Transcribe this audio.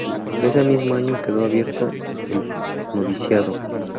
Ese mismo año quedó abierto el noviciado.